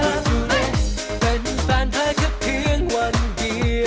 ดูเล่นเป็นปัญหาแค่เพียงวันเดียว